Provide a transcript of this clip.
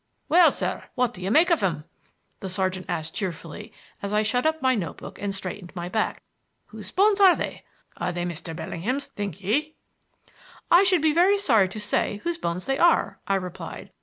"Well, sir, what do you make of 'em?" the sergeant asked cheerfully as I shut up my notebook and straightened my back. "Whose bones are they? Are they Mr. Bellingham's, think ye?" "I should be very sorry to say whose bones they are," I replied.